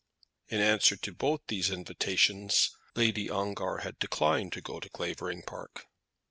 In answer to both these invitations, Lady Ongar had declined to go to Clavering Park.